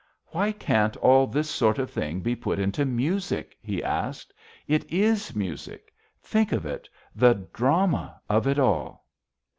"Why can't all this sort of thing be put into music?" he asked. "It is music. Think of it, the drama of it all!"